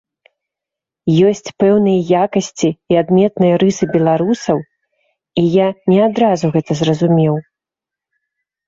Ёсць пэўныя якасці і адметныя рысы беларусаў, і я не адразу гэта зразумеў.